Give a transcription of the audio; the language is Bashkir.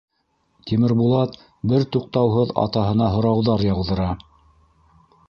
Тимербулат бер туҡтауһыҙ атаһына һорауҙар яуҙыра.